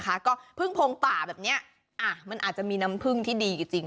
ก็พึ่งพงป่าแบบนี้มันอาจจะมีน้ำพึ่งที่ดีจริง